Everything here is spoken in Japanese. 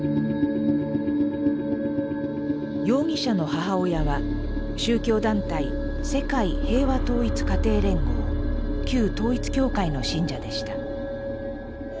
容疑者の母親は宗教団体世界平和統一家庭連合旧統一教会の信者でした。